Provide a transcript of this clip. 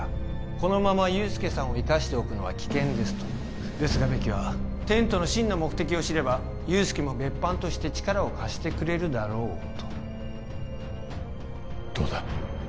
このまま憂助さんを生かしておくのは危険ですとですがベキはテントの真の目的を知れば憂助も別班として力を貸してくれるだろうとどうだ？